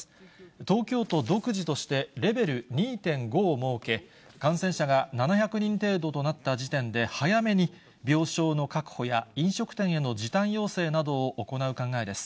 東京都独自として、レベル２．５を設け、感染者が７００人程度となった時点で早めに病床の確保や、飲食店への時短要請などを行う考えです。